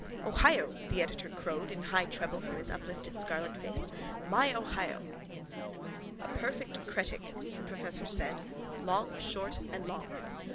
—Ohio! the editor crowed in high treble from his uplifted scarlet face. My Ohio! —A perfect cretic! the professor said. Long, short and long.